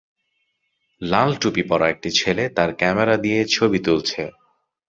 লাল টুপি পরা একটি ছেলে তার ক্যামেরা দিয়ে ছবি তুলছে।